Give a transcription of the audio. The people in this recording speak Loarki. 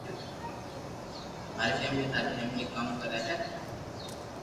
مارو فيملي ٿاري فيملو ڪاو ڪري ھي